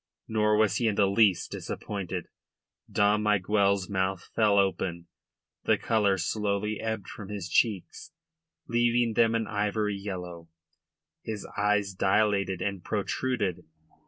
Nor was he in the least disappointed. Dom Miguel's mouth fell open; the colour slowly ebbed from his cheeks, leaving them an ivory yellow; his eyes dilated and protruded.